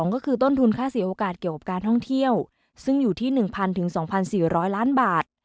ก็คือต้นทุนค่าเสียโอกาสเกี่ยวกับการท่องเที่ยวซึ่งอยู่ที่๑๐๐๒๔๐๐ล้านบาท